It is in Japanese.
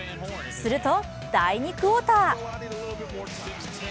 すると第２クオーター！